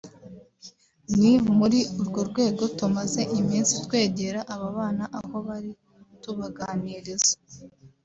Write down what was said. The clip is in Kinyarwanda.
ni muri urwo rwego tumaze iminsi twegera aba bana aho bari tubaganiriza